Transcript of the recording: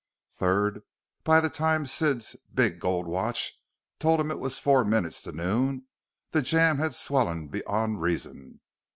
Third, by the time Sid's big gold watch told him it was four minutes till noon, the jam had swollen beyond reason.